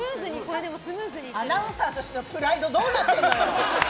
アナウンサーとしてのプライドどうなってるのよ！